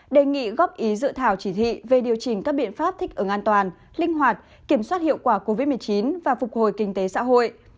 đề nghị góp ý dự thảo chỉ thị về điều chỉnh các biện pháp thích ứng an toàn linh hoạt kiểm soát hiệu quả covid một mươi chín và phục hồi kinh tế xã hội